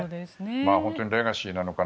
本当にレガシーなのかな。